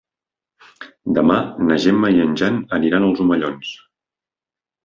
Demà na Gemma i en Jan aniran als Omellons.